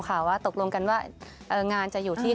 ว่าตกลงกันว่างานจะอยู่ที่